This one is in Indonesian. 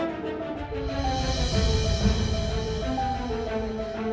saya mau jalan sekarang